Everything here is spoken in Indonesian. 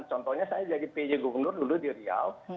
contohnya saya jadi pj gubernur dulu di riau